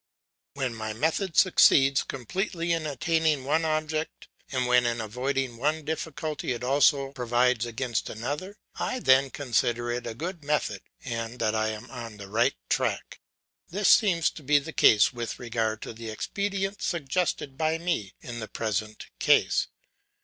When my method succeeds completely in attaining one object, and when in avoiding one difficulty it also provides against another, I then consider that it is a good method, and that I am on the right track. This seems to be the case with regard to the expedient suggested by me in the present case.